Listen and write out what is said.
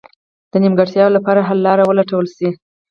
د نیمګړتیاوو لپاره حل لاره ولټول شي.